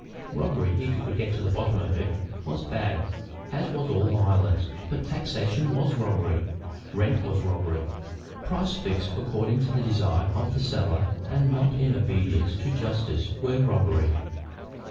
Robbery, if you could get to the bottom of it, was bad, as was all violence; but taxation was robbery, rent was robbery, prices fixed according to the desire of the seller and not in obedience to justice, were robbery.